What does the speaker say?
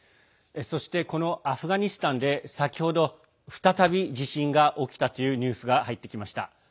そしてこのアフガニスタンで先ほど、再び地震が起きたというニュースが入ってきました。